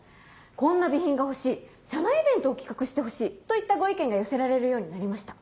「こんな備品が欲しい」「社内イベントを企画してほしい」といったご意見が寄せられるようになりました。